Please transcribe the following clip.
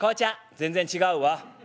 「全然違うわ。